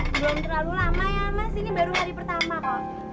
belum terlalu lama ya mas ini baru hari pertama kok